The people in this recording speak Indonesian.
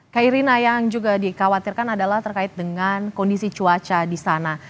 kak irina yang juga dikhawatirkan adalah terkait dengan kondisi cuaca di sana